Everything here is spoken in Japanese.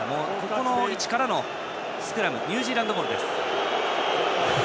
この位置からのスクラムニュージーランドボールです。